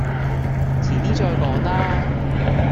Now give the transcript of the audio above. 遲啲再講啦